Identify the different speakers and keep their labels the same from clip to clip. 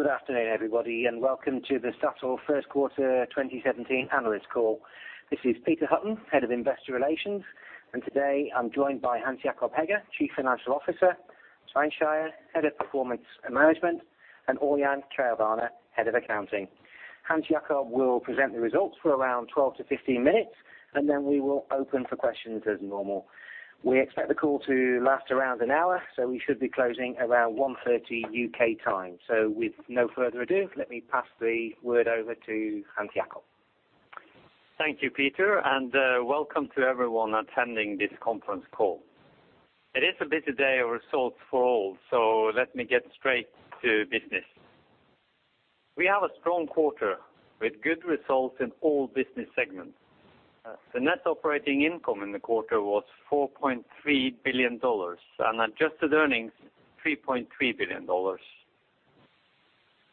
Speaker 1: Good afternoon, everybody, and welcome to the Statoil first quarter 2017 analyst call. This is Peter Hutton, Head of Investor Relations. Today, I'm joined by Hans Jakob Hegge, Chief Financial Officer, Svein Skeie, Head of Performance Management, and Ørjan Kvelvane, Head of Accounting. Hans Jakob Hegge will present the results for around 12-15 minutes, and then we will open for questions as normal. We expect the call to last around an hour, so we should be closing around 1:30 P.M. U.K. time. With no further ado, let me pass the word over to Hans Jakob Hegge.
Speaker 2: Thank you, Peter, and welcome to everyone attending this conference call. It is a busy day of results for all, so let me get straight to business. We have a strong quarter with good results in all business segments. The net operating income in the quarter was $4.3 billion, and adjusted earnings, $3.3 billion.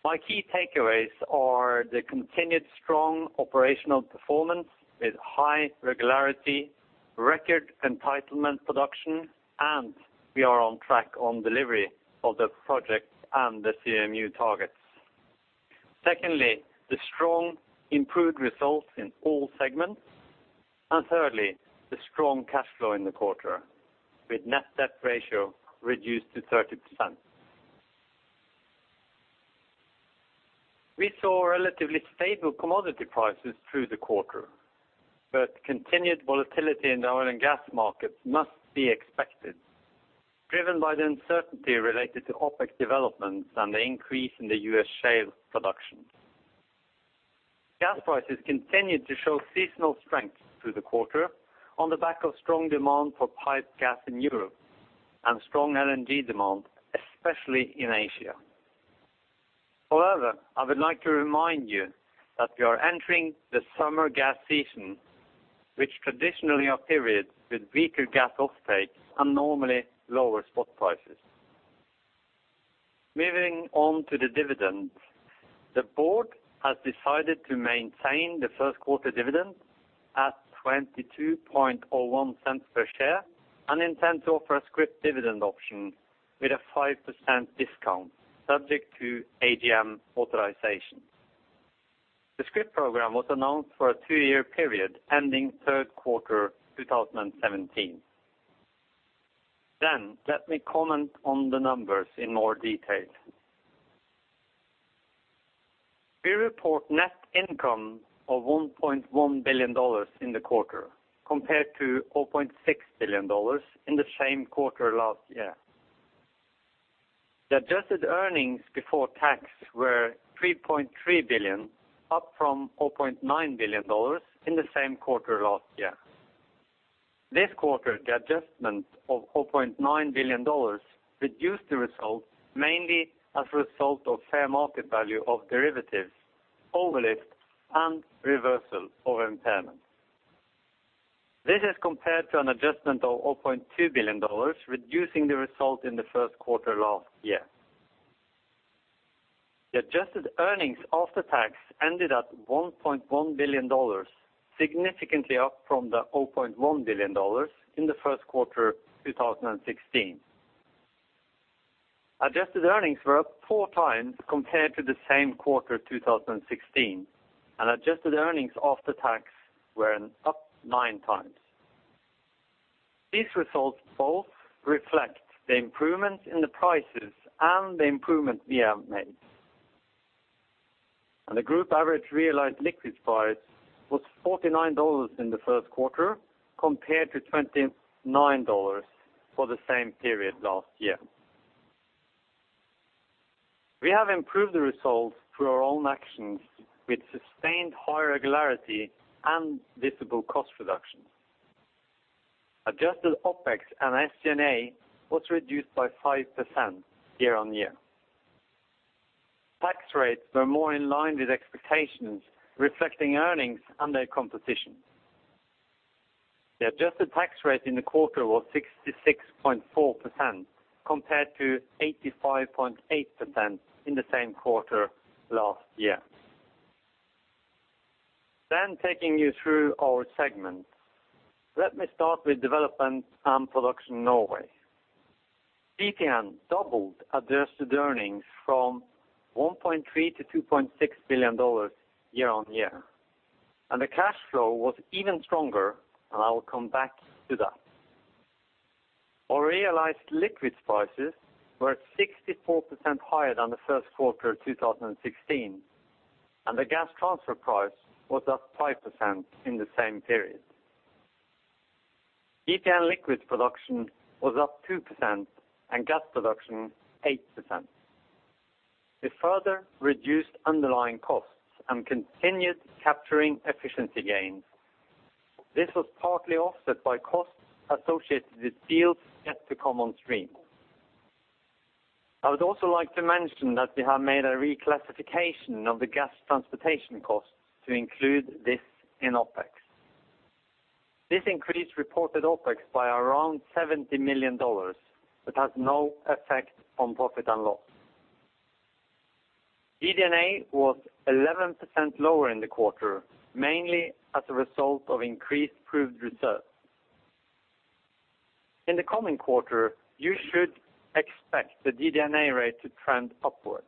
Speaker 2: My key takeaways are the continued strong operational performance with high regularity, record entitlement production, and we are on track on delivery of the projects and the CMU targets. Secondly, the strong improved results in all segments. Thirdly, the strong cash flow in the quarter with net debt ratio reduced to 30%. We saw relatively stable commodity prices through the quarter, but continued volatility in the oil and gas markets must be expected, driven by the uncertainty related to OPEC developments and the increase in the U.S. shale production. Gas prices continued to show seasonal strength through the quarter on the back of strong demand for pipe gas in Europe and strong LNG demand, especially in Asia. However, I would like to remind you that we are entering the summer gas season, which traditionally are periods with weaker gas offtake and normally lower spot prices. Moving on to the dividend, the board has decided to maintain the first quarter dividend at $0.2201 per share and intend to offer a scrip dividend option with a 5% discount subject to AGM authorization. The scrip program was announced for a two-year period ending third quarter 2017. Let me comment on the numbers in more detail. We report net income of $1.1 billion in the quarter compared to $4.6 billion in the same quarter last year. The adjusted earnings before tax were $3.3 billion, up from $4.9 billion in the same quarter last year. This quarter, the adjustment of $4.9 billion reduced the result mainly as a result of fair market value of derivatives, overlift, and reversal of impairment. This is compared to an adjustment of $4.2 billion, reducing the result in the first quarter last year. The adjusted earnings after tax ended at $1.1 billion, significantly up from the $4.1 billion in the first quarter 2016. Adjusted earnings were up 4x compared to the same quarter 2016, and adjusted earnings after tax were up 9x. These results both reflect the improvements in the prices and the improvement we have made. The group average realized liquids price was $49 in the first quarter compared to $29 for the same period last year. We have improved the results through our own actions with sustained high regularity and visible cost reduction. Adjusted OpEx and SG&A was reduced by 5% year-on-year. Tax rates were more in line with expectations, reflecting earnings and their composition. The adjusted tax rate in the quarter was 66.4% compared to 85.8% in the same quarter last year. Taking you through our segment, let me start with Development & Production Norway. DPN doubled adjusted earnings from $1.3 billion to $2.6 billion year-over-year, and the cash flow was even stronger, and I will come back to that. Our realized liquids prices were at 64% higher than the first quarter of 2016, and the gas transfer price was up 5% in the same period. DPN liquids production was up 2% and gas production 8%. We further reduced underlying costs and continued capturing efficiency gains. This was partly offset by costs associated with deals yet to come on stream. I would also like to mention that we have made a reclassification of the gas transportation costs to include this in OpEx. This increased reported OpEx by around $70 million that has no effect on profit and loss. G&A was 11% lower in the quarter, mainly as a result of increased proved reserves. In the coming quarter, you should expect the DD&A rate to trend upwards.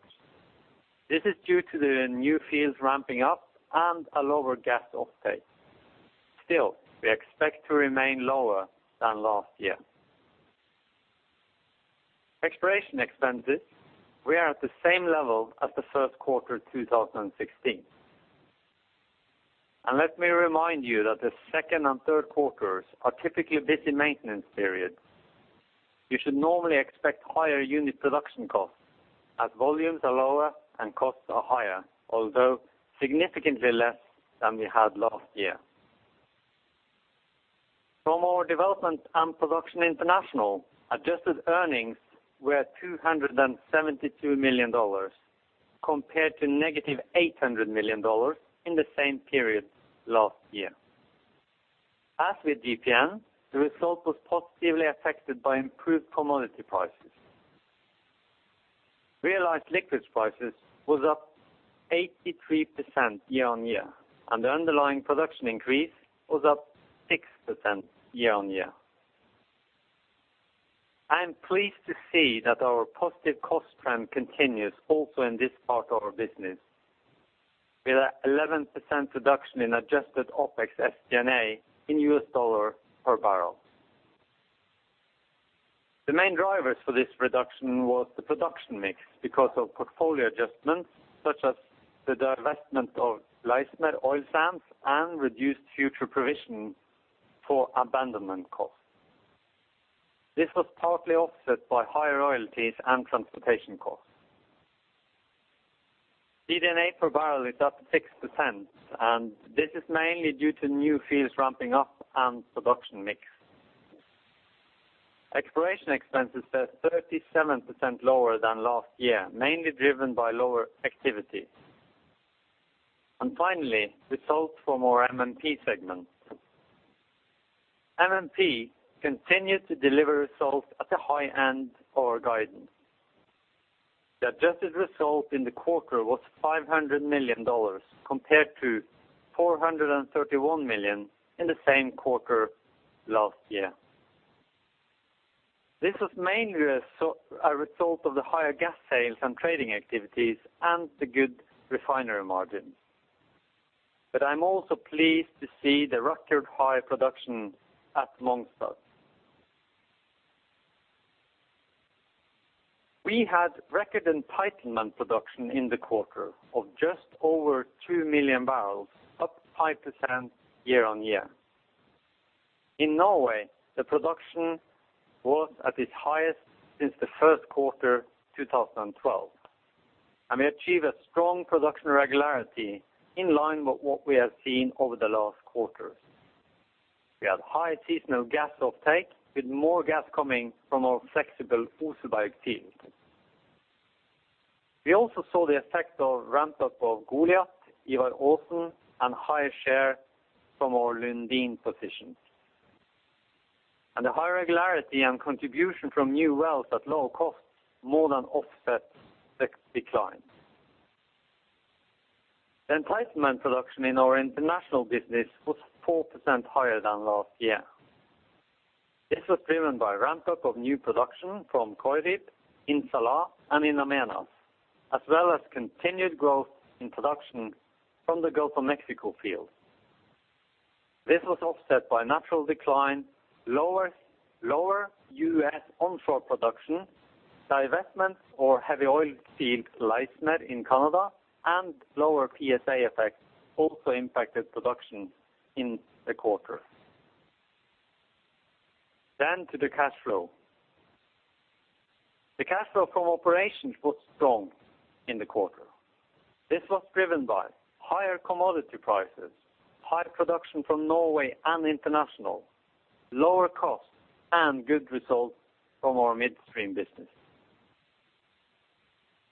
Speaker 2: This is due to the new fields ramping up and a lower gas offtake. Still, we expect to remain lower than last year. Exploration expenses, we are at the same level as the first quarter 2016. Let me remind you that the second and third quarters are typically busy maintenance periods. You should normally expect higher unit production costs as volumes are lower and costs are higher, although significantly less than we had last year. From our Development & Production International, adjusted earnings were $272 million compared to -$800 million in the same period last year. As with DPN, the result was positively affected by improved commodity prices. Realized liquids prices was up 83% year-on-year, and the underlying production increase was up 6% year-on-year. I am pleased to see that our positive cost trend continues also in this part of our business with 11% reduction in adjusted OpEx SG&A in US dollar per barrel. The main drivers for this reduction was the production mix because of portfolio adjustments such as the divestment of Leismer oil sands and reduced future provision for abandonment costs. This was partly offset by higher royalties and transportation costs. DD&A per barrel is up 6%, and this is mainly due to new fields ramping up and production mix. Exploration expenses are 37% lower than last year, mainly driven by lower activity. Finally, results from our MMP segment. MMP continued to deliver results at the high end of our guidance. The adjusted result in the quarter was $500 million compared to $431 million in the same quarter last year. This was mainly a result of the higher gas sales and trading activities and the good refinery margins. I'm also pleased to see the record high production at Mongstad. We had record entitlement production in the quarter of just over 2 million barrels, up 5% year-on-year. In Norway, the production was at its highest since the first quarter 2012, and we achieved a strong production regularity in line with what we have seen over the last quarters. We had high seasonal gas offtake, with more gas coming from our flexible Oseberg field. We also saw the effect of ramp up of Goliat, Ivar Aasen, and higher share from our Lundin positions. The high regularity and contribution from new wells at low costs more than offset the decline. The entitlement production in our international business was 4% higher than last year. This was driven by ramp up of new production from Corrib, In Salah, and In Amenas, as well as continued growth in production from the Gulf of Mexico field. This was offset by natural decline, lower U.S. onshore production, divestments, our heavy oil field Leismer in Canada, and lower PSA effects also impacted production in the quarter. To the cash flow. The cash flow from operations was strong in the quarter. This was driven by higher commodity prices, high production from Norway and international, lower costs, and good results from our midstream business.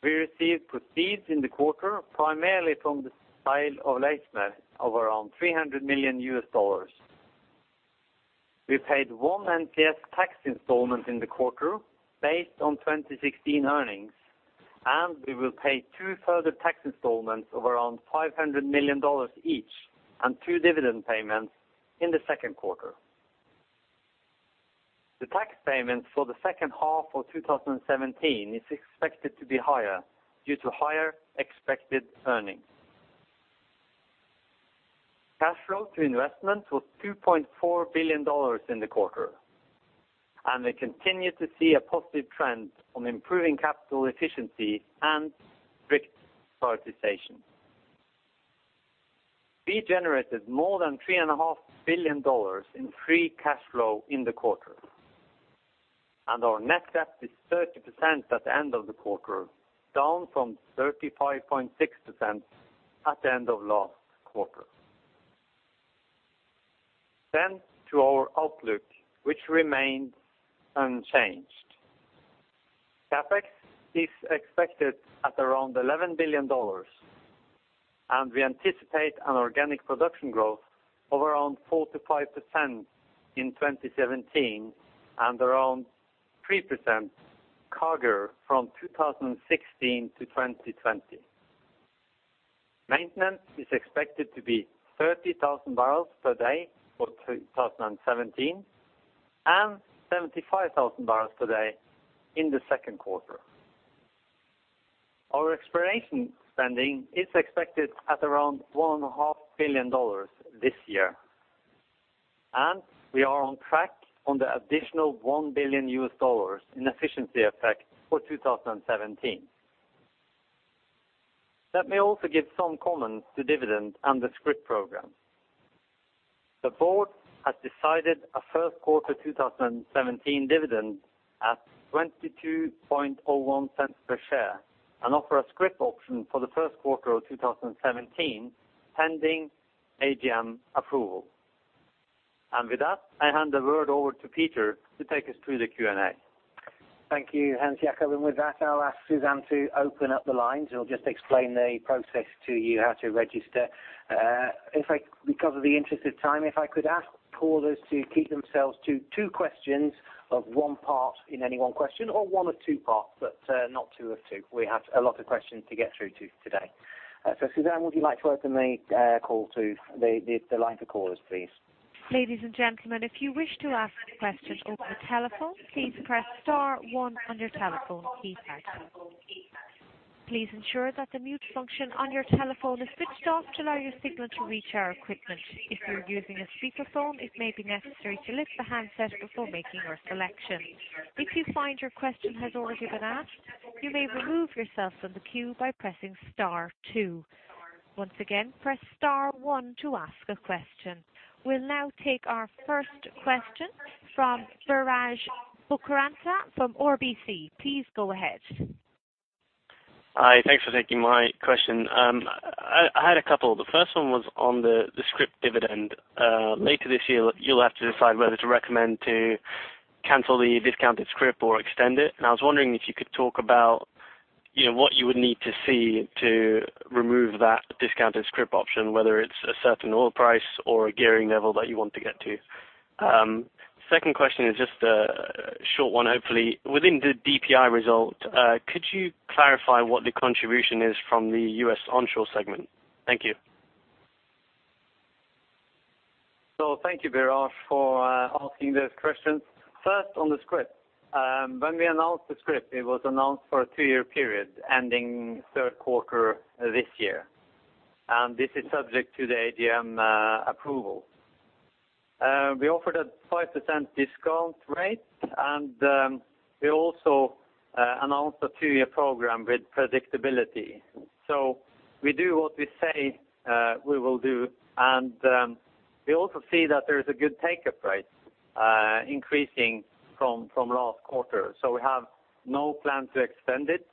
Speaker 2: We received proceeds in the quarter, primarily from the sale of Leismer of around $300 million. We paid one NPS tax installment in the quarter based on 2016 earnings, and we will pay two further tax installments of around $500 million each and two dividend payments in the second quarter. The tax payments for the second half of 2017 is expected to be higher due to higher expected earnings. Cash flow to investment was $2.4 billion in the quarter, and we continue to see a positive trend on improving capital efficiency and strict prioritization. We generated more than $3.5 billion in free cash flow in the quarter, and our net debt is 30% at the end of the quarter, down from 35.6% at the end of last quarter. To our outlook, which remains unchanged. CapEx is expected at around $11 billion, and we anticipate an organic production growth of around 4%-5% in 2017 and around 3% CAGR from 2016 to 2020. Maintenance is expected to be 30,000 barrels per day for 2017, and 75,000 barrels per day in the second quarter. Our exploration spending is expected at around $1.5 billion this year. We are on track on the additional $1 billion in efficiency effect for 2017. Let me also give some comments to dividend and the scrip program. The board has decided a first quarter 2017 dividend at $0.2201 per share, and offer a scrip option for the first quarter of 2017, pending AGM approval. With that, I hand the word over to Peter to take us through the Q&A.
Speaker 1: Thank you, Hans Jakob, and with that, I'll ask Suzanne to open up the lines. We'll just explain the process to you, how to register. In fact, because of the interest of time, if I could ask callers to keep themselves to two questions of one part in any one question or one or two parts, but not two of two. We have a lot of questions to get through today. Suzanne, would you like to open the call to the line for callers, please?
Speaker 3: Ladies and gentlemen, if you wish to ask a question over the telephone, please press star one on your telephone keypad. Please ensure that the mute function on your telephone is switched off to allow your signal to reach our equipment. If you're using a speakerphone, it may be necessary to lift the handset before making your selection. If you find your question has already been asked, you may remove yourself from the queue by pressing star two. Once again, press star one to ask a question. We'll now take our first question from Biraj Borkhataria from RBC. Please go ahead.
Speaker 4: Hi. Thanks for taking my question. I had a couple. The first one was on the scrip dividend. Later this year, you'll have to decide whether to recommend to cancel the discounted scrip or extend it, and I was wondering if you could talk about, you know, what you would need to see to remove that discounted scrip option, whether it's a certain oil price or a gearing level that you want to get to. Second question is just a short one, hopefully. Within the DPI result, could you clarify what the contribution is from the U.S. onshore segment? Thank you.
Speaker 2: Thank you, Biraj, for asking those questions. First, on the scrip, when we announced the scrip, it was announced for a two-year period ending third quarter this year, and this is subject to the AGM approval. We offered a 5% discount rate, and we also announced a two-year program with predictability. We do what we say we will do, and we also see that there is a good take-up rate increasing from last quarter. We have no plan to extend it,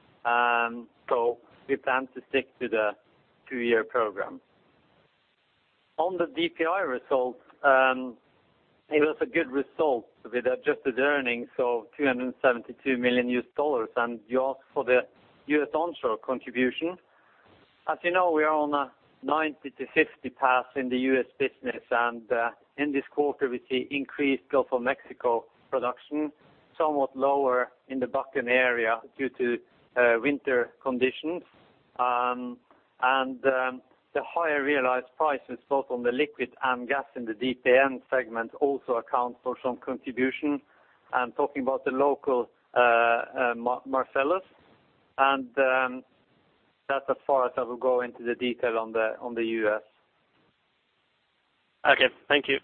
Speaker 2: so we plan to stick to the two-year program. On the DPN results, it was a good result with adjusted earnings of $272 million, and you asked for the U.S. onshore contribution. As you know, we are on a 90-50 path in the U.S business, and in this quarter, we see increased Gulf of Mexico production, somewhat lower in the Bakken area due to winter conditions. The higher realized prices both on the liquid and gas in the DPN segment also accounts for some contribution. I'm talking about the local Marcellus, and that's as far as I will go into the detail on the U.S.
Speaker 4: Okay. Thank you.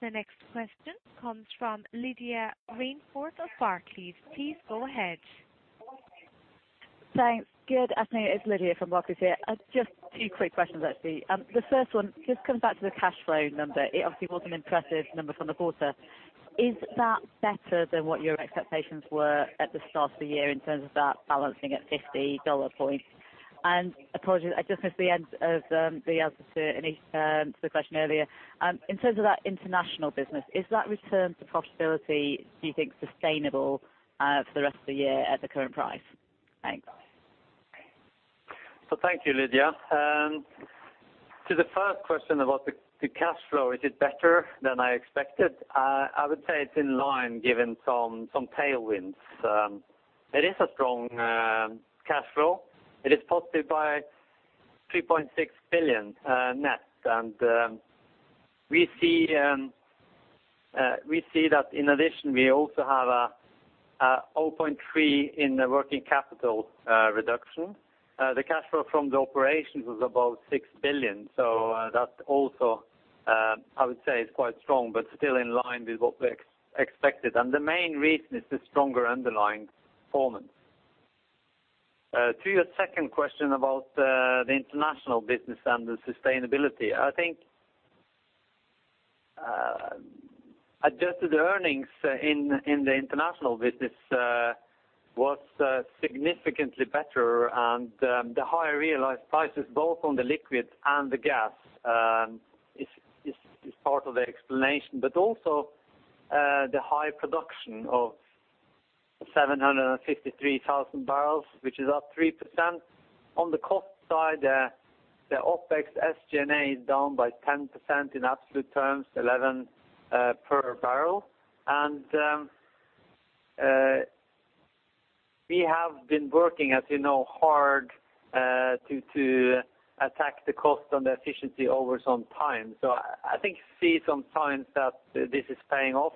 Speaker 3: The next question comes from Lydia Rainforth of Barclays. Please go ahead.
Speaker 5: Thanks. Good afternoon. It's Lydia from Barclays here. Just two quick questions, actually. The first one just comes back to the cash flow number. It obviously was an impressive number from the quarter. Is that better than what your expectations were at the start of the year in terms of that balancing at $50 point? Apologies, I just missed the end of the answer to the question earlier. In terms of that international business, is that return to profitability, do you think, sustainable for the rest of the year at the current price? Thanks.
Speaker 2: Thank you, Lydia. To the first question about the cash flow, is it better than I expected? I would say it's in line given some tailwinds. It is a strong cash flow. It is positive by 3.6 billion net. We see that in addition, we also have 0.3 in the working capital reduction. The cash flow from the operations was above 6 billion, so that also I would say is quite strong but still in line with what we expected. The main reason is the stronger underlying performance. To your second question about the international business and the sustainability, I think adjusted earnings in the international business was significantly better, and the higher realized prices both on the liquid and the gas is part of the explanation, but also the high production of 753,000 barrels, which is up 3%. On the cost side, the OpEx SG&A is down by 10% in absolute terms, 11 per barrel. We have been working, as you know, hard to attack the cost on the efficiency over some time. I think see some signs that this is paying off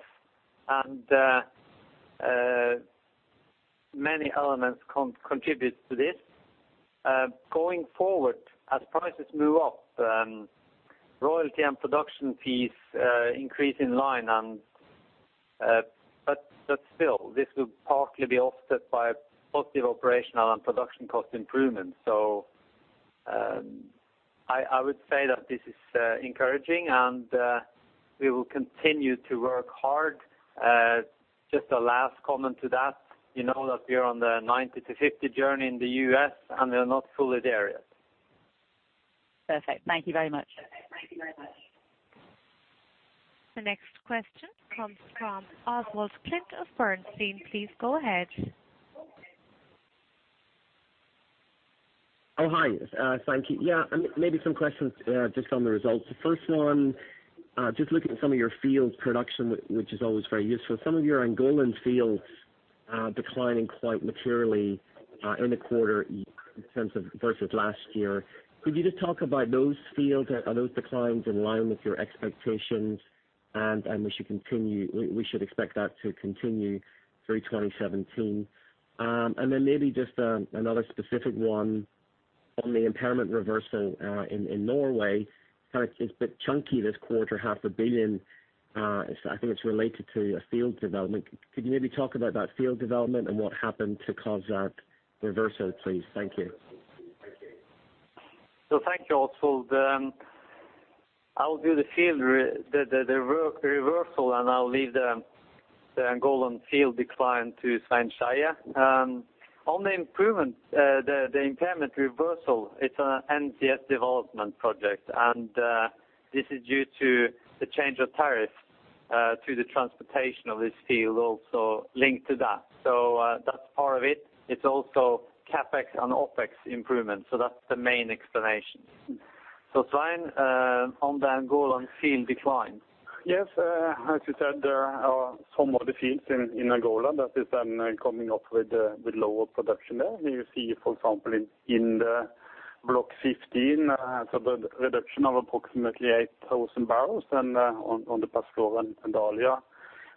Speaker 2: and many elements contributes to this. Going forward, as prices move up, royalty and production fees increase in line. Still, this will partly be offset by positive operational and production cost improvements. I would say that this is encouraging and we will continue to work hard. Just a last comment to that, you know that we're on the 90-50 journey in the U.S., and we are not fully there yet.
Speaker 5: Perfect. Thank you very much.
Speaker 3: The next question comes from Oswald Clint of Bernstein. Please go ahead.
Speaker 6: Hi. Thank you. Maybe some questions just on the results. The first one, just looking at some of your fields production, which is always very useful. Some of your Angolan fields declining quite materially in the quarter in terms of versus last year. Could you just talk about those fields? Are those declines in line with your expectations? And we should expect that to continue through 2017. And then maybe just another specific one on the impairment reversal in Norway. Kind of it's a bit chunky this quarter, $500 million. I think it's related to a field development. Could you maybe talk about that field development and what happened to cause that reversal, please? Thank you.
Speaker 2: Thank you, Oswald. I will do the field reversal, and I'll leave the Angolan field decline to Svein Skeie. On the improvement, the impairment reversal, it's Snøhvit development project. This is due to the change of tariff to the transportation of this field also linked to that. That's part of it. It's also CapEx and OpEx improvements, so that's the main explanations. Svein, on the Angolan field decline.
Speaker 7: Yes. As you said, there are some of the fields in Angola that is coming up with lower production there. You see, for example, in the Block 15, so the reduction of approximately 8,000 barrels and on the Pazflor and Dalia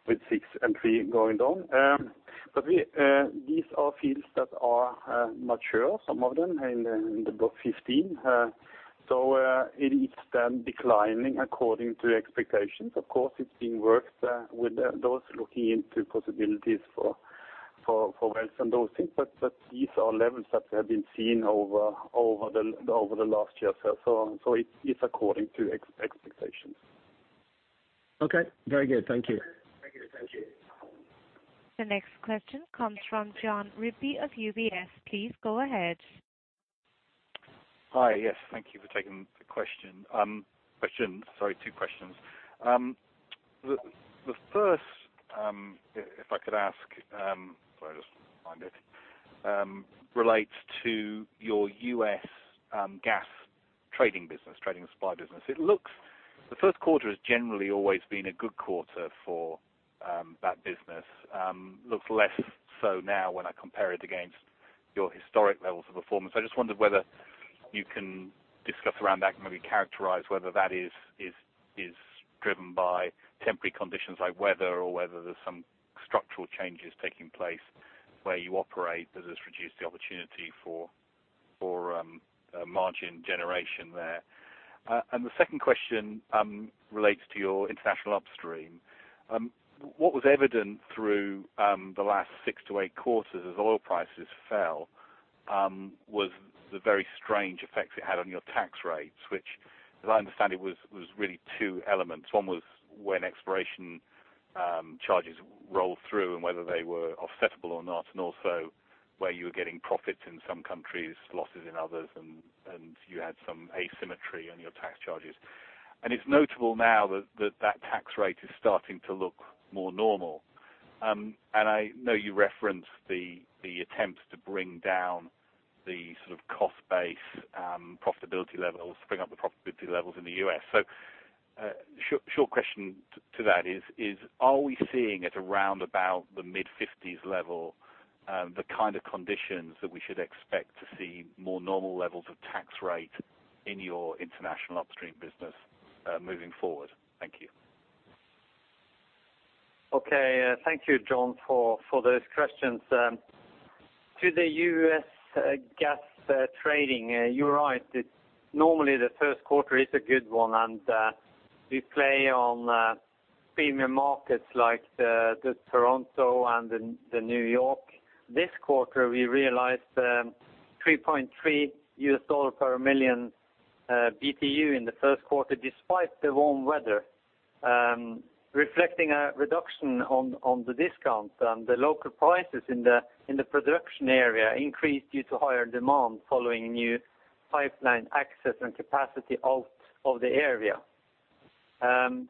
Speaker 7: with 6,000 and 3,000 going down. But these are fields that are mature, some of them in the Block 15. It is then declining according to expectations. Of course, it's being worked with those looking into possibilities for wells and those things. But these are levels that have been seen over the last year or so. It's according to expectations.
Speaker 6: Okay. Very good. Thank you.
Speaker 3: The next question comes from Jon Rigby of UBS. Please go ahead.
Speaker 8: Hi. Yes, thank you for taking the question. Two questions. The first, if I could ask, relates to your U.S. gas trading and supply business. It looks like the first quarter has generally always been a good quarter for that business. Looks less so now when I compare it against your historic levels of performance. I just wondered whether you can discuss around that and maybe characterize whether that is driven by temporary conditions like weather or whether there's some structural changes taking place where you operate that has reduced the opportunity for margin generation there. The second question relates to your international upstream. What was evident through the last six to eight quarters as oil prices fell was the very strange effects it had on your tax rates, which as I understand it was really two elements. One was when exploration charges rolled through and whether they were offsetable or not, and also where you were getting profits in some countries, losses in others and you had some asymmetry on your tax charges. It's notable now that that tax rate is starting to look more normal. I know you referenced the attempt to bring down the sort of cost base, profitability levels, bring up the profitability levels in the U.S. Short question to that is, are we seeing at around about the mid-50s level, the kind of conditions that we should expect to see more normal levels of tax rate in your international upstream business, moving forward? Thank you.
Speaker 2: Okay. Thank you, John, for those questions. To the U.S. gas trading, you're right. It's normally the first quarter is a good one, and we play on premium markets like the Toronto and the New York. This quarter, we realized $3.3 per million BTU in the first quarter, despite the warm weather, reflecting a reduction on the discount. The local prices in the production area increased due to higher demand following new pipeline access and capacity out of the area.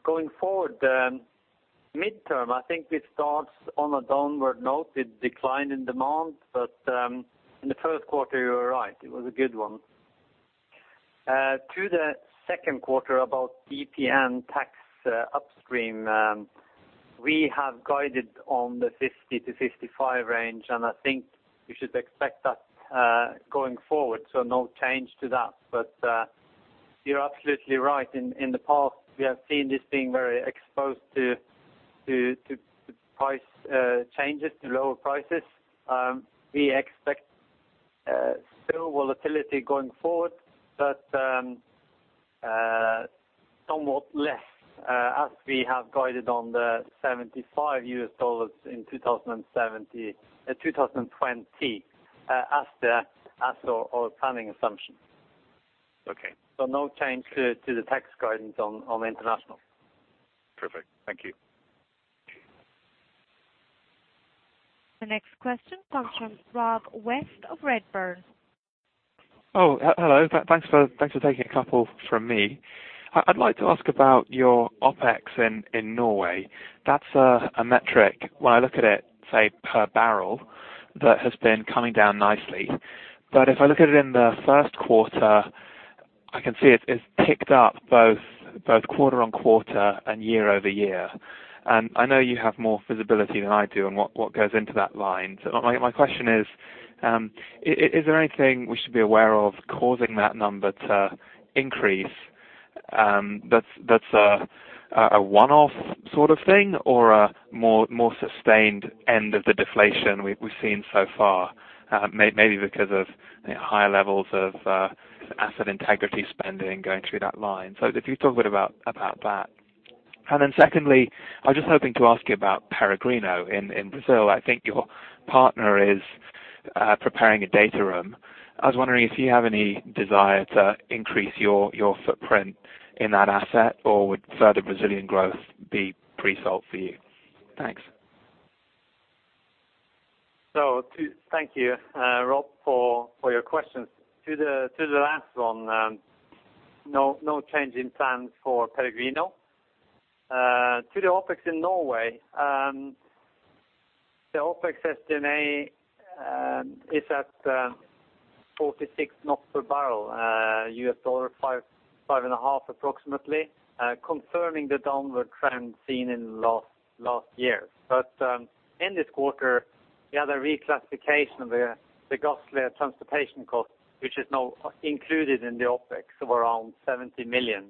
Speaker 2: Going forward, midterm, I think it starts on a downward note with decline in demand. In the first quarter, you're right, it was a good one. To the second quarter about DPN tax, upstream, we have guided on the 50-55 range, and I think you should expect that going forward, so no change to that. You're absolutely right. In the past, we have seen this being very exposed to price changes to lower prices. We expect still volatility going forward, but somewhat less, as we have guided on the $75 in 2020, as our planning assumption.
Speaker 8: Okay.
Speaker 2: No change to the tax guidance on international.
Speaker 8: Perfect. Thank you.
Speaker 3: The next question comes from Rob West of Redburn.
Speaker 9: Hello. Thanks for taking a couple from me. I'd like to ask about your OpEx in Norway. That's a metric, when I look at it, say per barrel, that has been coming down nicely. If I look at it in the first quarter, I can see it's ticked up both quarter-on-quarter and year-over-year. I know you have more visibility than I do on what goes into that line. My question is there anything we should be aware of causing that number to increase, that's a one-off sort of thing or a more sustained end of the deflation we've seen so far, maybe because of higher levels of asset integrity spending going through that line? If you talk a bit about that. I'm just hoping to ask you about Peregrino in Brazil. I think your partner is preparing a data room. I was wondering if you have any desire to increase your footprint in that asset, or would further Brazilian growth be pre-sold for you? Thanks.
Speaker 2: Thank you, Rob, for your questions. To the last one, no change in plans for Peregrino. To the OpEx in Norway, the OpEx SG&A is at 46 per barrel, $5-$5.5 approximately, confirming the downward trend seen in the last year. In this quarter, the other reclassification of the Gassled transportation cost, which is now included in the OpEx of around $70 million.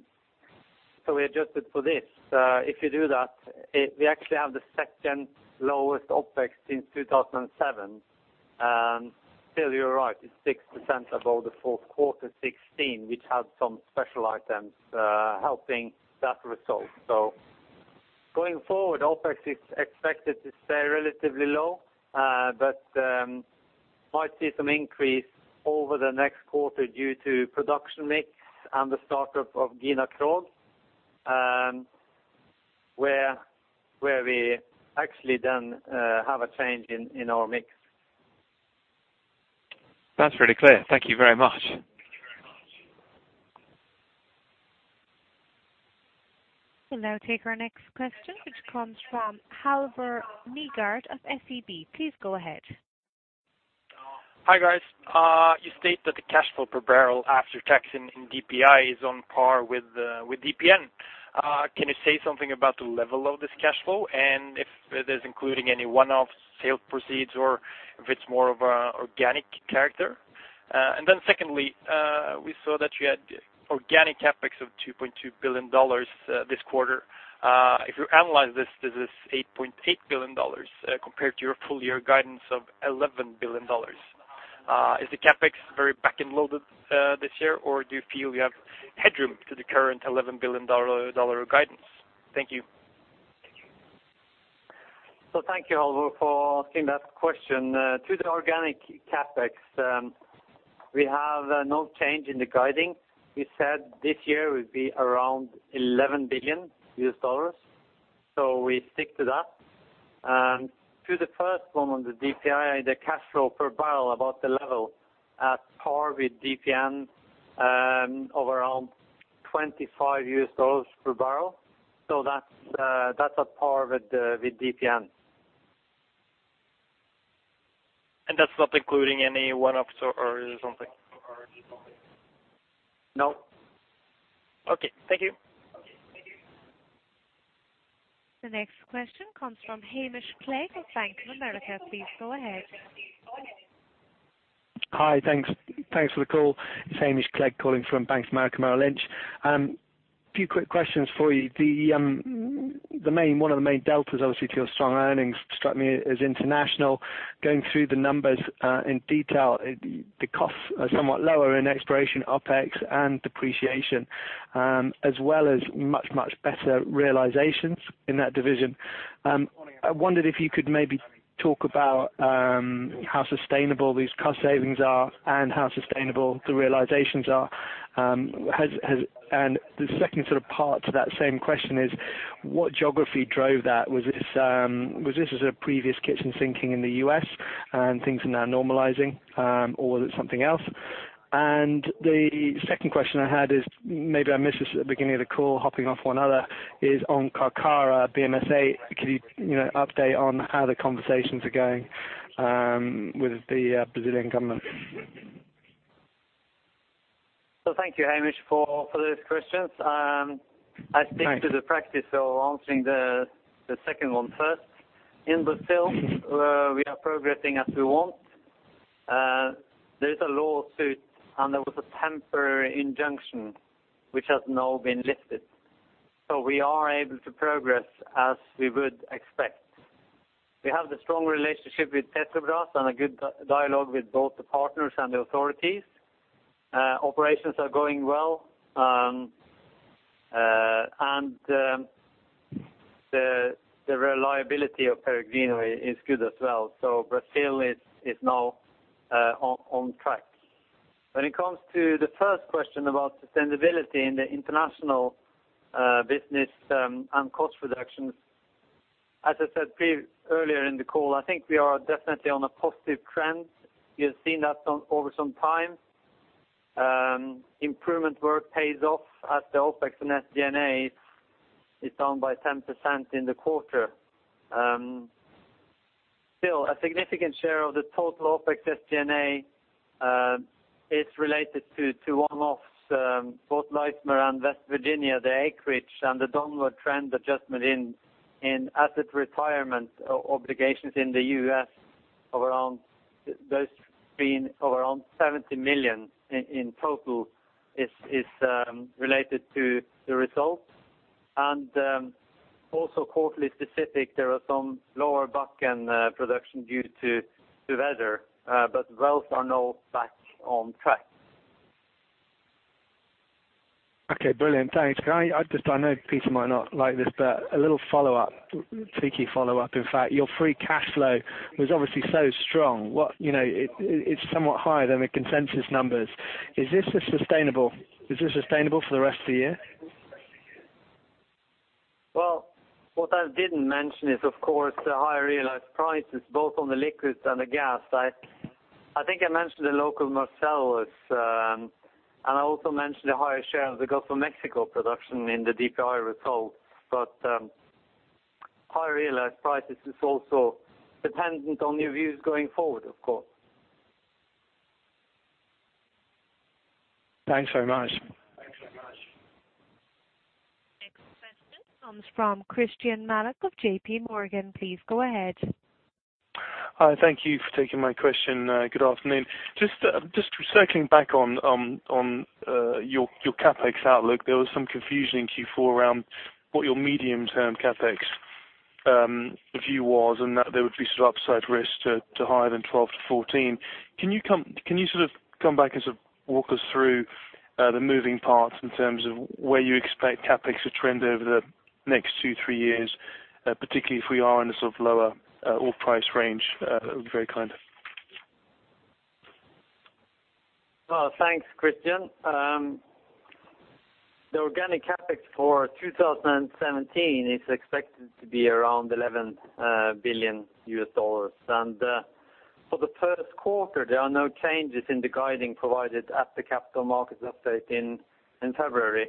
Speaker 2: We adjusted for this. If you do that, we actually have the second lowest OpEx since 2007. Still you're right, it's 6% above the fourth quarter 2016, which had some special items helping that result. Going forward, OpEx is expected to stay relatively low, but might see some increase over the next quarter due to production mix and the start-up of Gina Krog, where we actually then have a change in our mix.
Speaker 9: That's really clear. Thank you very much.
Speaker 3: We'll now take our next question, which comes from Halvor Nygaard of SEB. Please go ahead.
Speaker 10: Hi, guys. You state that the cash flow per barrel after tax in DPI is on par with DPN. Can you say something about the level of this cash flow and if it is including any one-off sale proceeds or if it's more of an organic character? And then secondly, we saw that you had organic CapEx of $2.2 billion this quarter. If you analyze this is $8.8 billion compared to your full year guidance of $11 billion. Is the CapEx very back-end loaded this year, or do you feel you have headroom to the current $11 billion dollar guidance? Thank you.
Speaker 2: Thank you, Halvor, for asking that question. To the organic CapEx, we have no change in the guidance. We said this year will be around $11 billion, so we stick to that. To the first one on the DPI, the cash flow per barrel, about the level at par with DPN, of around $25 per barrel. That's at par with DPN.
Speaker 10: That's not including any one-offs or something?
Speaker 2: No.
Speaker 10: Okay, thank you.
Speaker 3: The next question comes from Hamish Clegg of Bank of America. Please go ahead.
Speaker 11: Hi. Thanks for the call. It's Hamish Clegg calling from Bank of America Merrill Lynch. A few quick questions for you. One of the main deltas, obviously, to your strong earnings struck me as international. Going through the numbers in detail, the costs are somewhat lower in exploration, OpEx, and depreciation, as well as much better realizations in that division. I wondered if you could maybe talk about how sustainable these cost savings are and how sustainable the realizations are. The second sort of part to that same question is what geography drove that? Was this a previous kitchen sinking in the U.S. and things are now normalizing, or was it something else? The second question I had is, maybe I missed this at the beginning of the call hopping off one other, is on Carcará BM-S-8. Can you know, update on how the conversations are going with the Brazilian government?
Speaker 2: Thank you, Hamish, for those questions. I stick to the practice of answering the second one first. In Brazil, we are progressing as we want. There's a lawsuit, and there was a temporary injunction which has now been lifted, so we are able to progress as we would expect. We have the strong relationship with Petrobras and a good dialogue with both the partners and the authorities. Operations are going well. The reliability of Peregrino is good as well. Brazil is now on track. When it comes to the first question about sustainability in the international business and cost reductions, as I said earlier in the call, I think we are definitely on a positive trend. You have seen that over some time. Improvement work pays off as the OpEx and SG&A is down by 10% in the quarter. Still a significant share of the total OpEx SG&A is related to one-offs, both Leismer and West Virginia, the acreage and the downward trend adjustment in asset retirement obligations in the US of around, those being of around $70 million in total is related to the results. Also quarterly specific, there are some lower Bakken production due to weather, but wells are now back on track.
Speaker 11: Okay, brilliant. Thanks. Can I? I just know Peter might not like this, but a little follow-up, tricky follow-up, in fact. Your free cash flow was obviously so strong. What, you know, it's somewhat higher than the consensus numbers. Is this sustainable for the rest of the year?
Speaker 2: Well, what I didn't mention is of course the higher realized prices both on the liquids and the gas. I think I mentioned the local Marcellus, and I also mentioned the higher share of the Gulf of Mexico production in the DPN result. Higher realized prices is also dependent on your views going forward, of course.
Speaker 11: Thanks very much.
Speaker 3: Next question comes from Christyan Malek of JPMorgan. Please go ahead.
Speaker 12: Hi, thank you for taking my question. Good afternoon. Just circling back on your CapEx outlook, there was some confusion in Q4 around what your medium-term CapEx view was, and that there would be some upside risk to higher than 12-14. Can you sort of come back and sort of walk us through the moving parts in terms of where you expect CapEx to trend over the next two, three years, particularly if we are in a sort of lower oil price range? Would be very kind.
Speaker 2: Well, thanks, Christyan. The organic CapEx for 2017 is expected to be around $11 billion. For the first quarter, there are no changes in the guiding provided at the capital markets update in February.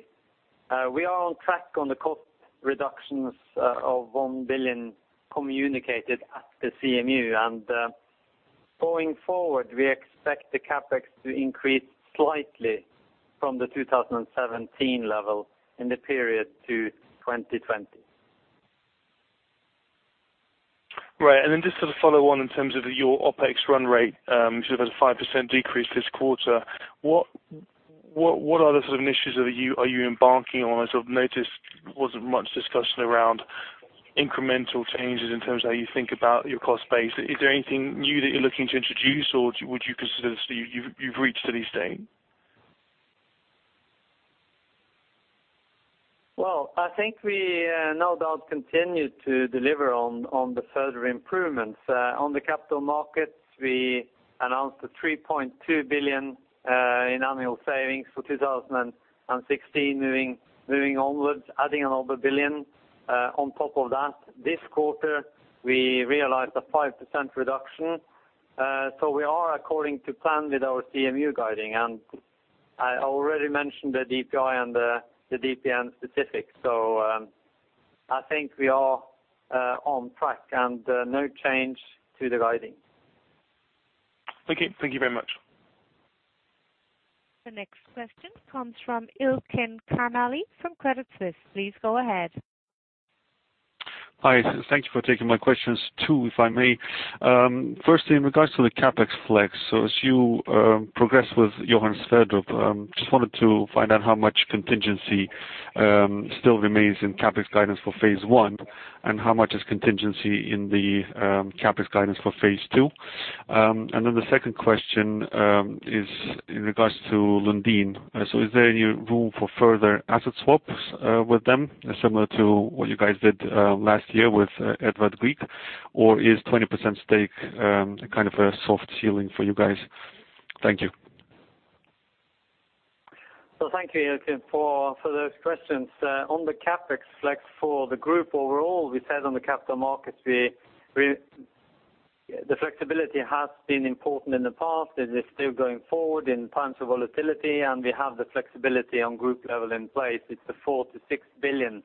Speaker 2: We are on track on the cost reductions of $1 billion communicated at the CMU. Going forward, we expect the CapEx to increase slightly from the 2017 level in the period to 2020.
Speaker 12: Right. Just as a follow-on in terms of your OpEx run rate, you sort of had a 5% decrease this quarter. What are the sort of initiatives that you are embarking on? I sort of noticed there wasn't much discussion around incremental changes in terms of how you think about your cost base. Is there anything new that you're looking to introduce, or would you consider you've reached a new state?
Speaker 2: Well, I think we no doubt continue to deliver on the further improvements. On the capital markets, we announced a $3.2 billion in annual savings for 2016. Moving onwards, adding another $1 billion on top of that. This quarter, we realized a 5% reduction. We are according to plan with our CMU guidance, and I already mentioned the DPI and the DPN specifics. I think we are on track and no change to the guidance.
Speaker 12: Thank you. Thank you very much.
Speaker 3: The next question comes from Ilkin Karimli from Credit Suisse. Please go ahead.
Speaker 13: Hi, thank you for taking my questions too, if I may. Firstly, in regards to the CapEx flex, so as you progress with Johan Sverdrup, just wanted to find out how much contingency still remains in CapEx guidance for phase I and how much is contingency in the CapEx guidance for phase II. The second question is in regards to Lundin. So is there any room for further asset swaps with them similar to what you guys did last year with Edvard Grieg? Or is 20% stake kind of a soft ceiling for you guys? Thank you.
Speaker 2: Thank you, Ilkin, for those questions. On the CapEx flex for the group overall, we said on the capital markets. The flexibility has been important in the past, it is still going forward in times of volatility, and we have the flexibility on group level in place. It's the $4 billion-$6 billion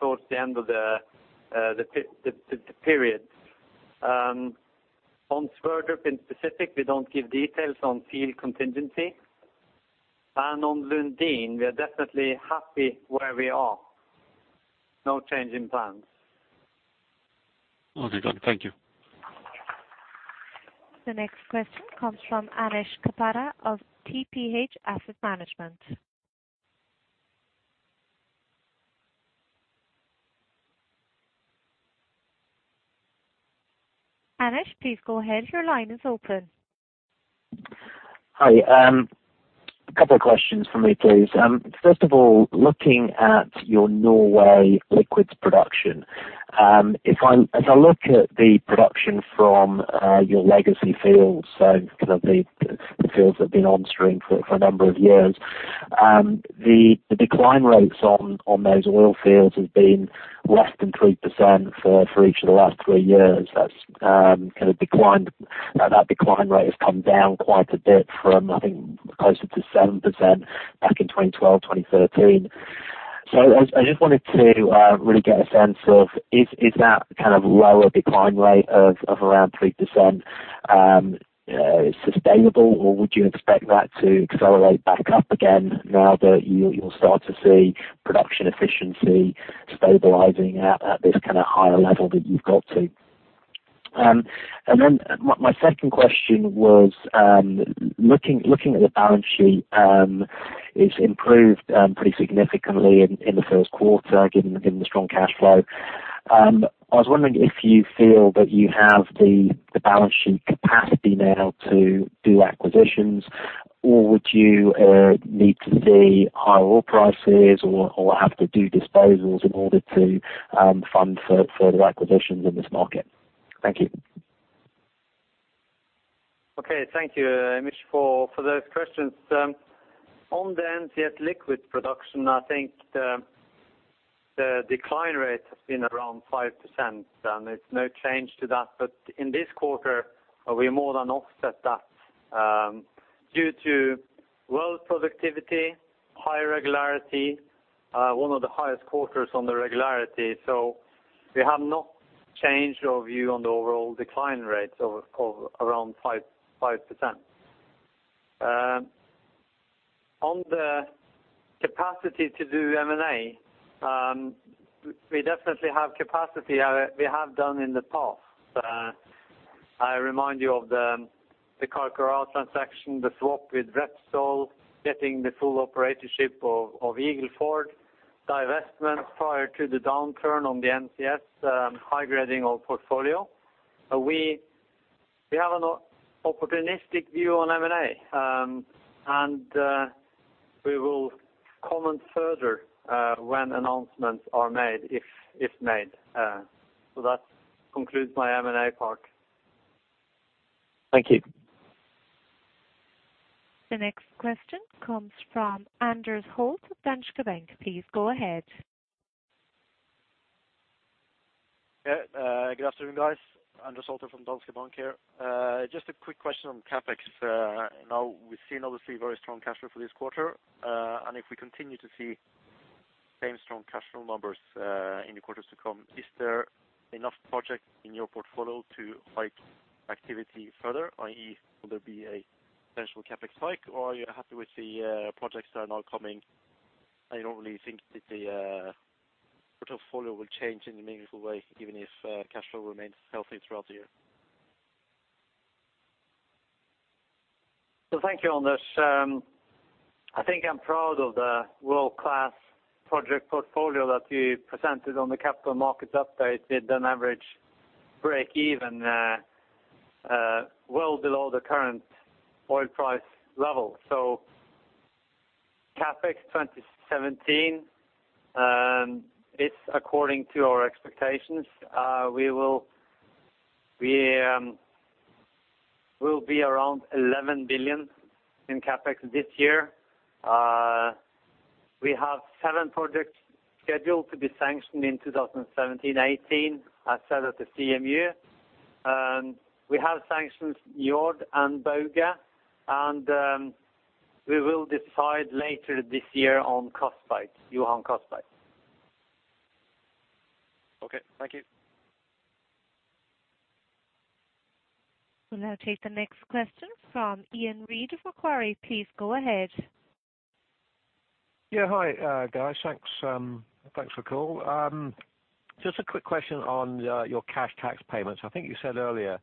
Speaker 2: towards the end of the period. On Sverdrup specifically, we don't give details on field contingency. On Lundin, we are definitely happy where we are. No change in plans.
Speaker 13: Okay, good. Thank you.
Speaker 3: The next question comes from Anish Kapadia of TPH Asset Management. Anish, please go ahead. Your line is open.
Speaker 14: Hi. A couple of questions from me, please. First of all, looking at your Norway liquids production, if I, as I look at the production from your legacy fields, so kind of the fields that have been onstream for a number of years, the decline rates on those oil fields has been less than 3% for each of the last three years. That's kind of declined. Now that decline rate has come down quite a bit from, I think, closer to 7% back in 2012, 2013. I just wanted to really get a sense of is that kind of lower decline rate of around 3%, sustainable, or would you expect that to accelerate back up again now that you'll start to see production efficiency stabilizing at this kind of higher level that you've got to? My second question was looking at the balance sheet, it's improved pretty significantly in the first quarter given the strong cash flow. I was wondering if you feel that you have the balance sheet capacity now to do acquisitions, or would you need to see higher oil prices or have to do disposals in order to fund further acquisitions in this market? Thank you.
Speaker 2: Okay. Thank you, Anish, for those questions. On the NCS liquid production, I think the decline rate has been around 5%, there's no change to that. In this quarter, we more than offset that due to well productivity, high regularity, one of the highest quarters on the regularity. We have not changed our view on the overall decline rates of around 5%. On the capacity to do M&A, we definitely have capacity. We have done in the past. I remind you of the Karachaganak transaction, the swap with Repsol, getting the full operatorship of Eagle Ford, divestments prior to the downturn on the NCS, high grading our portfolio. We have an opportunistic view on M&A, and we will comment further when announcements are made, if made. That concludes my M&A part.
Speaker 14: Thank you.
Speaker 3: The next question comes from Anders Holte of Danske Bank. Please go ahead.
Speaker 15: Yeah. Good afternoon, guys. Anders Holte from Danske Bank here. Just a quick question on CapEx. Now we've seen obviously very strong cash flow for this quarter. If we continue to see same strong cash flow numbers in the quarters to come, is there enough projects in your portfolio to hike activity further, i.e., will there be a potential CapEx hike, or are you happy with the projects that are now coming, and you don't really think that the portfolio will change in a meaningful way, even if cash flow remains healthy throughout the year?
Speaker 2: Thank you, Anders. I think I'm proud of the world-class project portfolio that we presented on the capital markets update with an average break-even well below the current oil price level. CapEx 2017, it's according to our expectations. We will be around 11 billion in CapEx this year. We have 7 projects scheduled to be sanctioned in 2017, 2018, as said at the CMU. We have sanctioned Njord and Bauge, and we will decide later this year on Johan Castberg.
Speaker 15: Okay. Thank you.
Speaker 3: We'll now take the next question from Iain Reid of Macquarie. Please go ahead.
Speaker 16: Yeah. Hi, guys. Thanks. Thanks for the call. Just a quick question on your cash tax payments. I think you said earlier,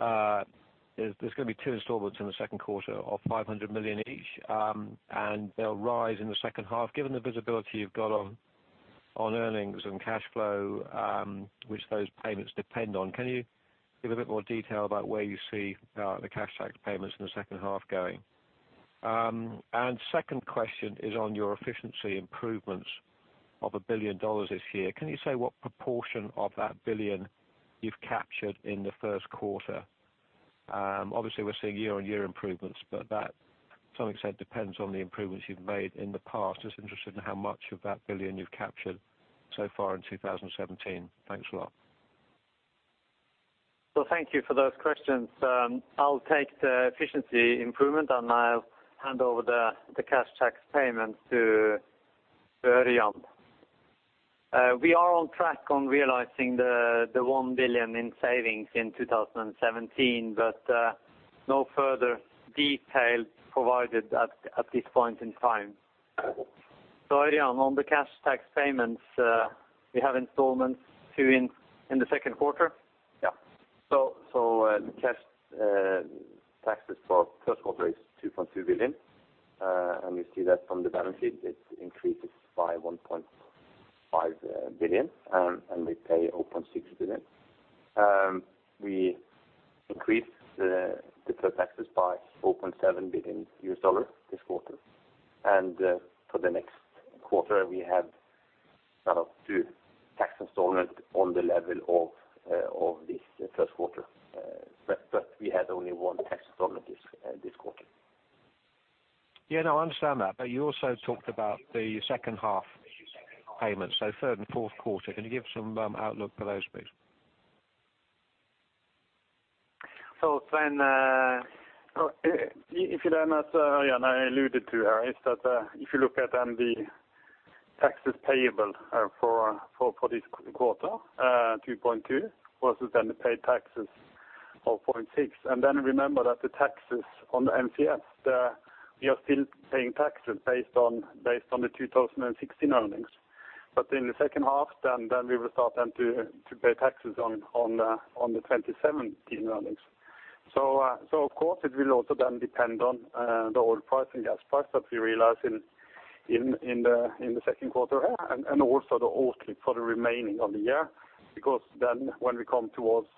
Speaker 16: there's gonna be two installments in the second quarter of 500 million each, and they'll rise in the second half. Given the visibility you've got on earnings and cash flow, which those payments depend on, can you give a bit more detail about where you see the cash tax payments in the second half going? Second question is on your efficiency improvements of $1 billion this year. Can you say what proportion of that billion you've captured in the first quarter? Obviously we're seeing year-on-year improvements, but that, as I said, depends on the improvements you've made in the past. Just interested in how much of that $1 billion you've captured so far in 2017. Thanks a lot.
Speaker 2: Thank you for those questions. I'll take the efficiency improvement, and I'll hand over the cash tax payments to Ørjan. We are on track on realizing the 1 billion in savings in 2017, but no further detail provided at this point in time. Ørjan, on the cash tax payments, we have installments due in the second quarter?
Speaker 17: Yeah. Cash taxes for first quarter is $2.2 billion. You see that from the balance sheet, it increases by $1.5 billion, and we paid on $6 billion. We increase the taxes by $4.7 billion this quarter. For the next quarter, we have sort of two tax installments on the level of this first quarter. But we had only one tax installment this quarter.
Speaker 16: Yeah, no, I understand that. You also talked about the second half payment, so third and fourth quarter. Can you give some outlook for those please?
Speaker 17: Svein, If you look at that, and I alluded to earlier, that is, if you look at the taxes payable for this quarter, $2.2 versus the paid taxes of $0.6. Remember that the taxes on the NCS, we are still paying taxes based on the 2016 earnings. In the second half, we will start to pay taxes on the 2017 earnings.
Speaker 7: Of course it will also then depend on the oil price and gas price that we realize in the second quarter, and also the outlook for the remainder of the year. Because then when we come towards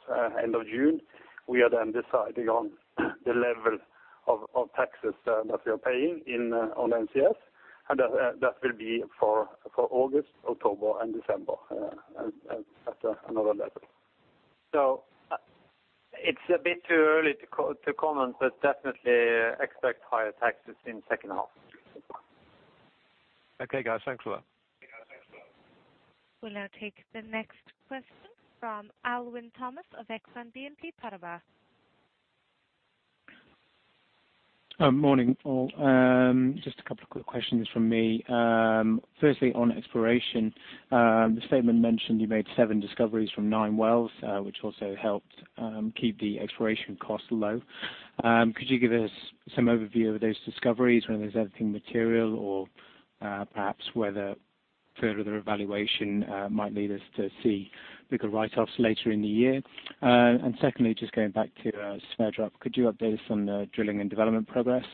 Speaker 7: end of June, we are then deciding on the level of taxes that we are paying in on NCS. That will be for August, October, and December at another level.
Speaker 2: It's a bit too early to comment, but definitely expect higher taxes in second half.
Speaker 16: Okay, guys. Thanks a lot.
Speaker 3: We'll now take the next question from Alwyn Thomas of Exane BNP Paribas.
Speaker 18: Morning, all. Just a couple of quick questions from me. Firstly, on exploration, the statement mentioned you made 7 discoveries from 9 wells, which also helped keep the exploration costs low. Could you give us some overview of those discoveries, whether there's anything material or perhaps whether further evaluation might lead us to see bigger write-offs later in the year? Secondly, just going back to Sverdrup, could you update us on the drilling and development progress,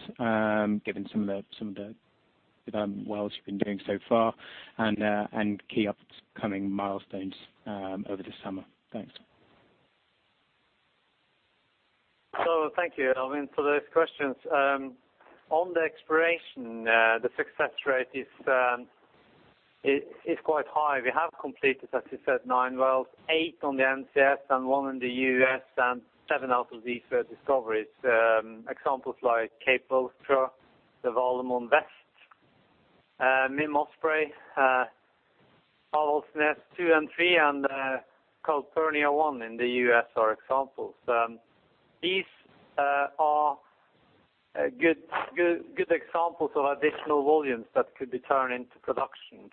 Speaker 18: given some of the development wells you've been doing so far, and key upcoming milestones over the summer? Thanks.
Speaker 2: Thank you, Alwyn, for those questions. On the exploration, the success rate is quite high. We have completed, as you said, nine wells, eight on the NCS and 1 in the U.S., and 7 out of these were discoveries. Examples like Cape Vulture, the Valemon West, Osprey, Alvheim two and three, and Copernicus 1 in the U.S. are examples. These are good examples of additional volumes that could be turned into production.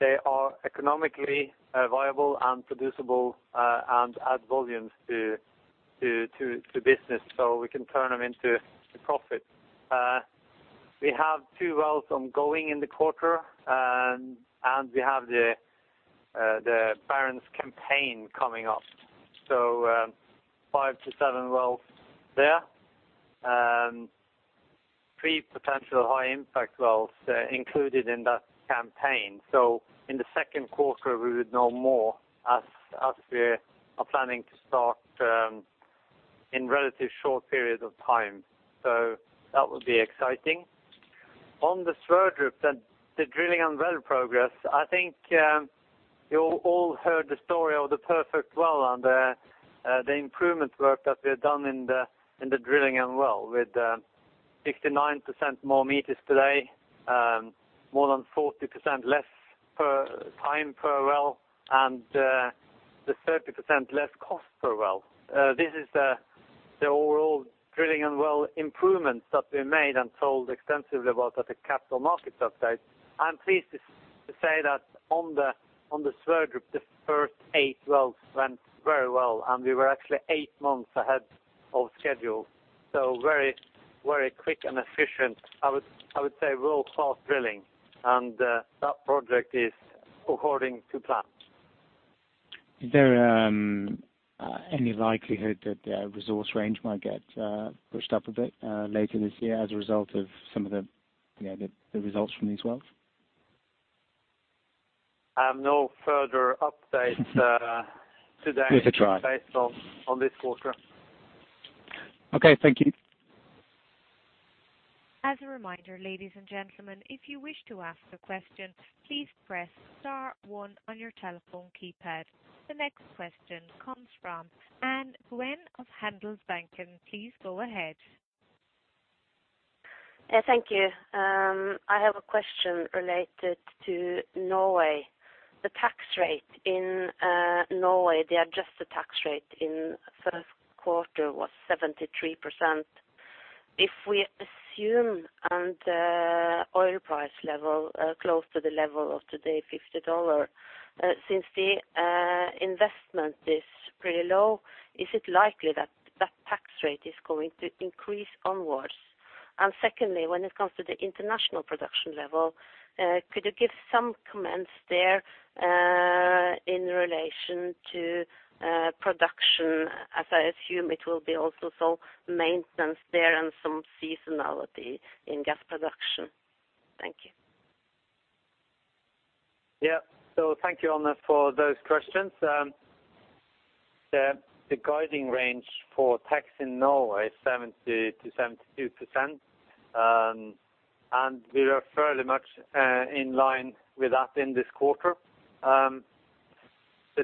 Speaker 2: They are economically viable and producible, and add volumes to business, so we can turn them into profit. We have two wells ongoing in the quarter. We have the Barents campaign coming up. 5-7 wells there. Three potential high-impact wells included in that campaign. In the second quarter, we would know more as we are planning to start in relatively short periods of time. That would be exciting. On the Sverdrup, the drilling and well progress, I think, you all heard the story of the perfect well and the improvement work that we have done in the drilling and well, with 69% more meters today, more than 40% less time per well, and the 30% less cost per well. This is the overall drilling and well improvements that we made and told extensively about at the Capital Markets Update. I'm pleased to say that on the Sverdrup, the first 8 wells went very well, and we were actually eight months ahead of schedule. Very, very quick and efficient, I would say world-class drilling. That project is according to plan.
Speaker 18: Is there any likelihood that the resource range might get pushed up a bit later this year as a result of some of the, you know, the results from these wells?
Speaker 2: No further update today.
Speaker 18: Worth a try.
Speaker 2: based on this quarter.
Speaker 18: Okay. Thank you.
Speaker 3: As a reminder, ladies and gentlemen, if you wish to ask a question, please press star one on your telephone keypad. The next question comes from Anne Gjøen of Handelsbanken. Please go ahead.
Speaker 19: Yeah, thank you. I have a question related to Norway. The tax rate in Norway, the adjusted tax rate in first quarter was 73%. If we assume oil price level close to the level of today, $50, since the investment is pretty low, is it likely that the tax rate is going to increase onwards? Secondly, when it comes to the international production level, could you give some comments there in relation to production as I assume it will be also some maintenance there and some seasonality in gas production? Thank you.
Speaker 2: Yeah. Thank you, Anne, for those questions. The guiding range for tax in Norway is 70%-72%. We are fairly much in line with that in this quarter. The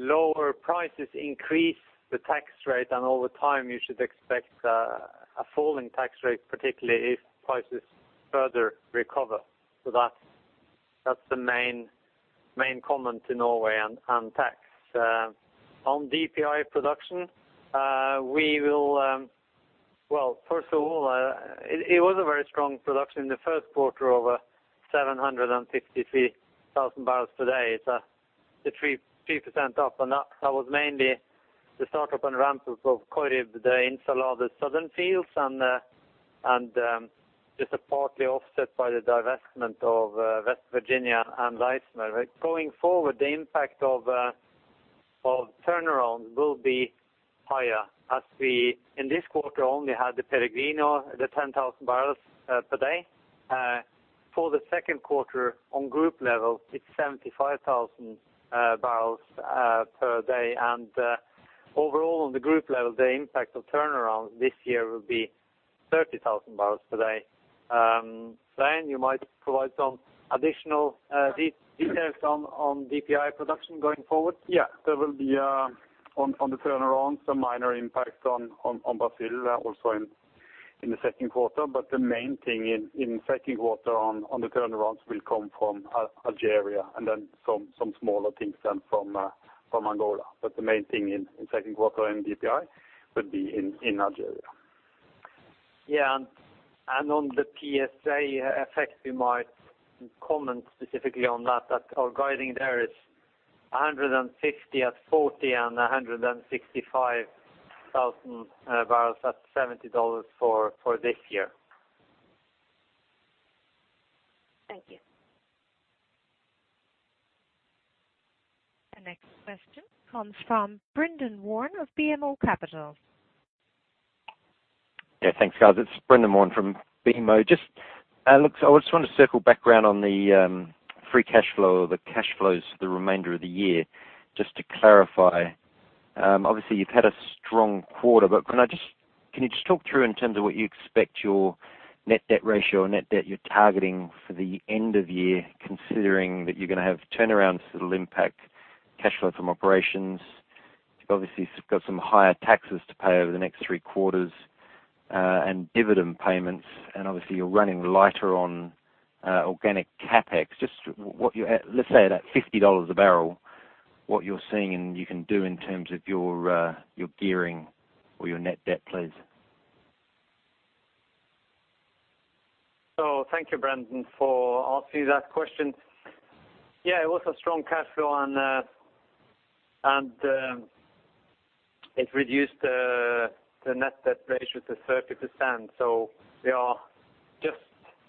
Speaker 2: lower prices increase the tax rate, and over time, you should expect a falling tax rate, particularly if prices further recover. That's the main comment to Norway on tax. On DPN production, well, first of all, it was a very strong production in the first quarter over 753,000 barrels per day, so 3% up. That was mainly the startup and ramp of Corrib, the In Salah, and the southern fields, and just partly offset by the divestment of West Virginia and Leismer. Going forward, the impact of turnaround will be higher as we, in this quarter, only had the Peregrino, the 10,000 barrels per day. For the second quarter on group level, it's 75,000 barrels per day. Overall on the group level, the impact of turnaround this year will be 30,000 barrels per day. Svein Skeie, you might provide some additional details on DPN production going forward.
Speaker 7: Yeah. There will be on the turnaround some minor impact on Brazil also in the second quarter. The main thing in second quarter on the turnarounds will come from Algeria and then some smaller things from Angola. The main thing in second quarter in DPI would be in Algeria.
Speaker 2: On the PSA effect, we might comment specifically on that. Our guidance there is 150 at 40 and 165,000 barrels at $70 for this year.
Speaker 19: Thank you.
Speaker 3: The next question comes from Brendan Warn of BMO Capital.
Speaker 20: Yeah. Thanks, guys. It's Brendan Warn from BMO. Just, I just want to circle back around on the free cash flow or the cash flows for the remainder of the year. Just to clarify, obviously you've had a strong quarter, but can you just talk through in terms of what you expect your net debt ratio or net debt you're targeting for the end of year, considering that you're gonna have turnarounds that'll impact cash flow from operations. You've obviously got some higher taxes to pay over the next three quarters, and dividend payments, and obviously you're running lighter on organic CapEx. Just let's say at $50 a barrel, what you're seeing and you can do in terms of your gearing or your net debt, please.
Speaker 2: Thank you, Brendan, for asking that question. It was a strong cash flow and it reduced the net debt ratio to 30%. We are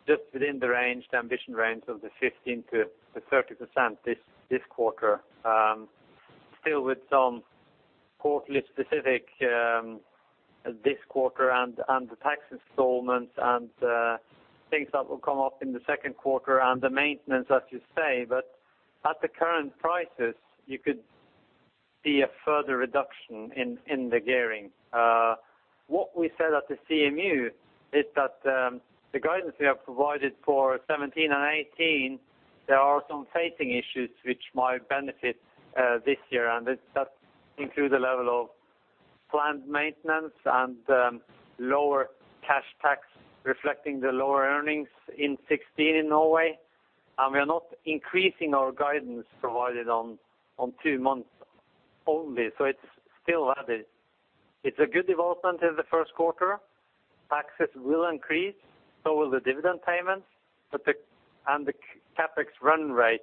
Speaker 2: just within the range, the ambition range of the 15%-30% this quarter. Still with some quarter-specific this quarter and the tax installments and things that will come up in the second quarter and the maintenance, as you say. At the current prices, you could see a further reduction in the gearing. What we said at the CMU is that the guidance we have provided for 2017 and 2018, there are some phasing issues which might benefit this year, and that include the level of planned maintenance and lower cash tax reflecting the lower earnings in 2016 in Norway. We are not increasing our guidance provided on two months only. It's still valid. It's a good development in the first quarter. Taxes will increase, so will the dividend payments. The CapEx run rate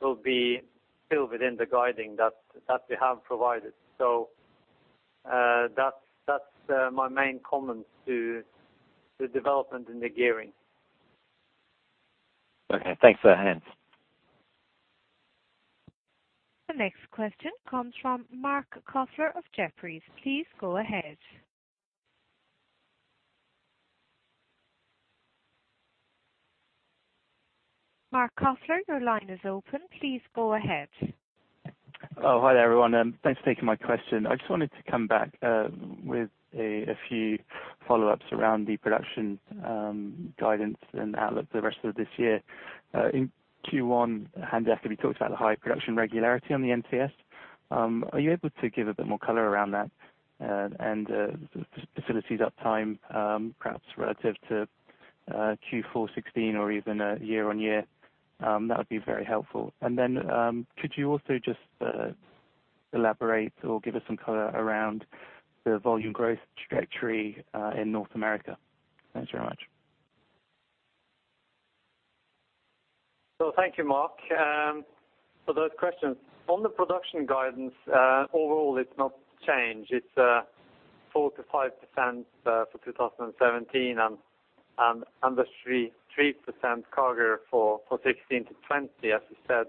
Speaker 2: will be still within the guidance that we have provided. That's my main comments to the development in the gearing.
Speaker 20: Okay. Thanks for the hand.
Speaker 3: The next question comes from Marc Kofler of Jefferies. Please go ahead. Marc Kofler, your line is open. Please go ahead.
Speaker 21: Oh, hi, everyone. Thanks for taking my question. I just wanted to come back with a few follow-ups around the production guidance and outlook the rest of this year. In Q1, Hans Jakob Hegge talked about the high production regularity on the NCS. Are you able to give a bit more color around that and facilities uptime, perhaps relative to Q4 2016 or even year-on-year? That would be very helpful. Could you also just elaborate or give us some color around the volume growth trajectory in North America? Thanks very much.
Speaker 2: Thank you, Marc, for those questions. On the production guidance, overall, it's not changed. It's 4%-5% for 2017 and under 3% CAGR for 2016-2020, as you said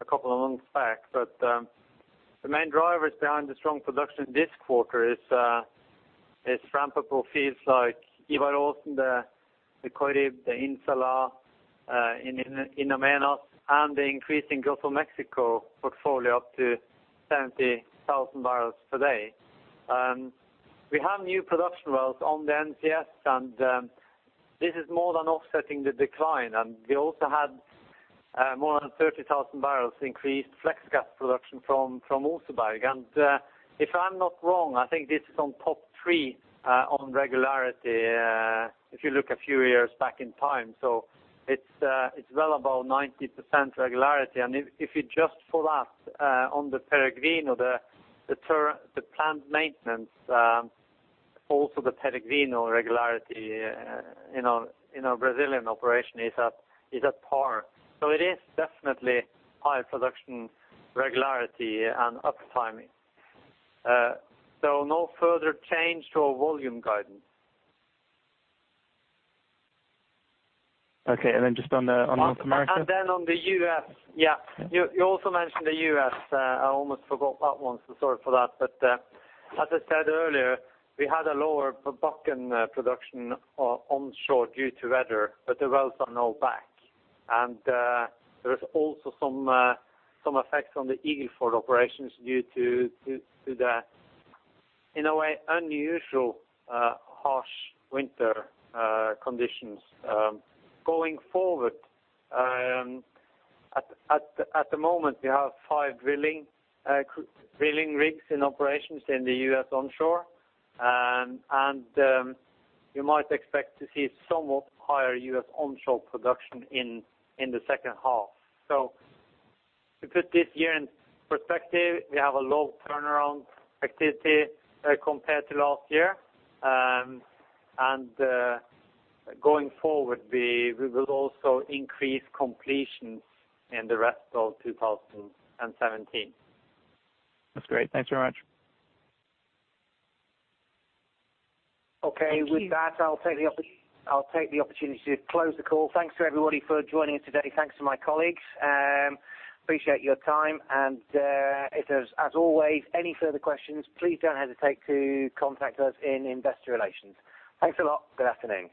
Speaker 2: a couple of months back. The main drivers behind the strong production this quarter is rampable fields like Ivar Aasen, the Corrib, the In Salah and In Amenas, and the increasing Gulf of Mexico portfolio up to 70,000 barrels per day. We have new production wells on the NCS, and this is more than offsetting the decline. We also had more than 30,000 barrels increased flex gas production from Oseberg. If I'm not wrong, I think this is in the top three on regularity if you look a few years back in time. It's well above 90% regularity. If you just pull up on the Peregrino, the plant maintenance, also the Peregrino regularity, you know, in our Brazilian operation is at par. It is definitely high production regularity and uptime. No further change to our volume guidance.
Speaker 21: Okay. Just on North America-
Speaker 2: You also mentioned the U.S. I almost forgot that one, so sorry for that. As I said earlier, we had a lower Bakken production onshore due to weather, but the wells are now back. There is also some effects on the Eagle Ford operations due to the, in a way unusual, harsh winter conditions going forward. At the moment, we have five drilling rigs in operations in the U.S. onshore. You might expect to see somewhat higher U.S. onshore production in the second half. To put this year in perspective, we have a low turnaround activity compared to last year. Going forward, we will also increase completions in the rest of 2017.
Speaker 21: That's great. Thanks very much.
Speaker 3: Thank you.
Speaker 2: Okay. With that, I'll take the opportunity to close the call. Thanks to everybody for joining us today. Thanks to my colleagues. Appreciate your time. If there's, as always, any further questions, please don't hesitate to contact us in investor relations. Thanks a lot. Good afternoon.